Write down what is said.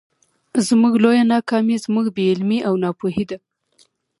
زموږ لويه ناکامي زموږ بې علمي او ناپوهي ده.